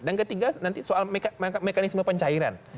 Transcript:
dan ketiga nanti soal mekanisme pencairan